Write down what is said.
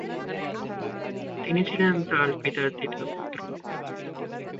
তিনি ছিলেন তাঁর পিতার তৃতীয় পুত্র।